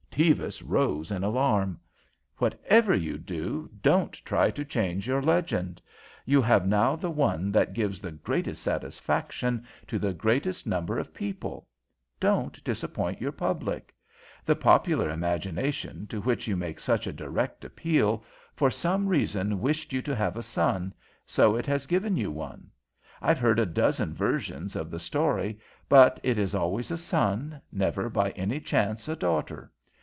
Tevis rose in alarm. "Whatever you do, don't try to change your legend. You have now the one that gives the greatest satisfaction to the greatest number of people. Don't disappoint your public. The popular imagination, to which you make such a direct appeal, for some reason wished you to have a son, so it has given you one. I've heard a dozen versions of the story, but it is always a son, never by any chance a daughter.